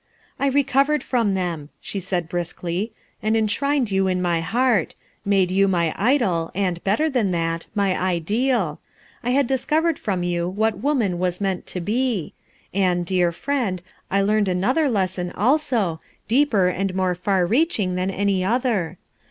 u l recovered from them," hhe «aid briskly, "and enshrined you in rny heart; made you my idol, and, better than that, my ideal I had discovered from you what woman waa meant to be. "And, dear friend, I learned another lesson abo, deeper and more far reaching than any other.